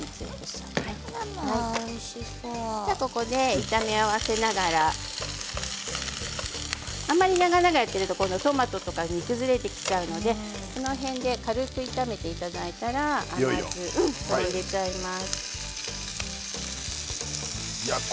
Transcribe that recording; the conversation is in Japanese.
ここで炒め合わせながらあまり長々やっているとトマトとかが煮崩れてしまうのでこの辺で軽く温めていただいたら甘酢を入れちゃいます。